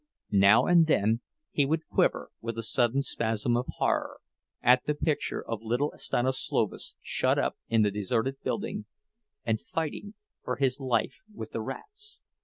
Now and then he would quiver with a sudden spasm of horror, at the picture of little Stanislovas shut up in the deserted building and fighting for his life with the rats!